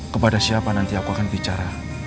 kepada siapa nanti aku akan bicara